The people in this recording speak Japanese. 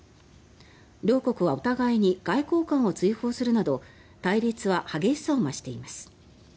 両国はお互いに外交官を追放するなど対立は激しさを増しています。